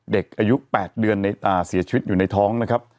เด็กอายุ๘เดือนเสียชีวิตอยู่ในท้องนะครับ